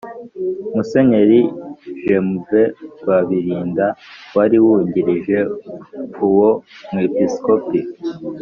musenyeri jmv rwabilinda, wari wungirije uwo mwepisikopi